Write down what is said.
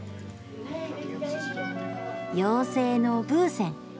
妖精のブーセン。